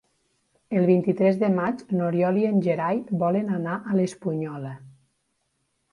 El vint-i-tres de maig n'Oriol i en Gerai volen anar a l'Espunyola.